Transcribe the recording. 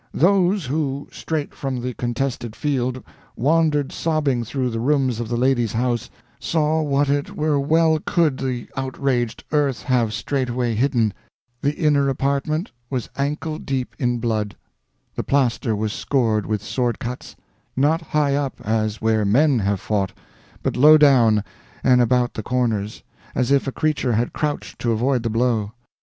Those who, straight from the contested field, wandered sobbing through the rooms of the ladies' house, saw what it were well could the outraged earth have straightway hidden. The inner apartment was ankle deep in blood. The plaster was scored with sword cuts; not high up as where men have fought, but low down, and about the corners, as if a creature had crouched to avoid the blow.